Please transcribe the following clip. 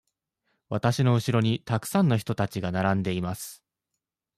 わたしのうしろにたくさんの人たちが並んでいます。